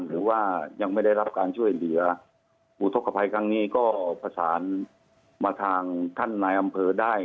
หรือว่ายังไม่ได้รับการช่วยเหลืออุทธกภัยครั้งนี้ก็ประสานมาทางท่านนายอำเภอได้